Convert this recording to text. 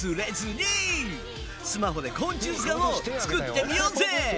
スマホで昆虫図鑑を作ってみようぜ！